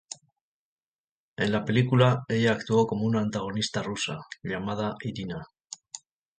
En la película, ella actuó como una antagonista rusa, llamada Irina.